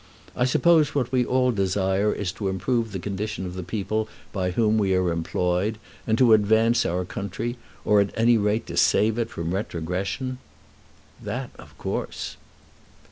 I suppose what we all desire is to improve the condition of the people by whom we are employed, and to advance our country, or at any rate to save it from retrogression." "That of course."